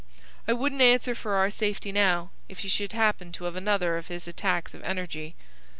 I wouldn't answer for our safety now, if he should happen to have another of his attacks of energy."